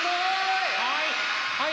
はい！